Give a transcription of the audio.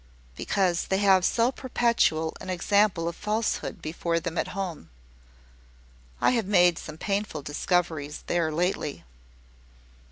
"Because they have so perpetual an example of falsehood before them at home. I have made some painful discoveries there lately."